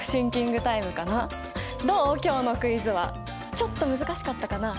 ちょっと難しかったかな？